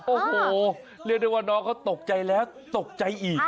โอ้โหเรียกได้ว่าน้องเขาตกใจแล้วตกใจอีก